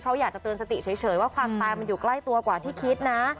เพราะอยากจะเตือนสติเฉยว่าความตายมันอยู่ใกล้ตัวกว่าที่คิดนะ